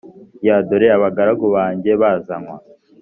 y dore abagaragu banjye bazanywa